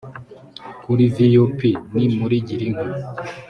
kuri vup ni muri girinka